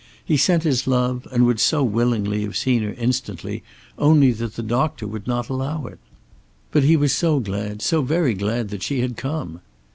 He sent his love, and would so willingly have seen her instantly, only that the doctor would not allow it. But he was so glad, so very glad that she had come!